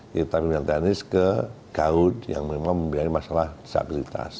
kita bimbingan teknis ke gaud yang memang membiarkan masalah disabilitas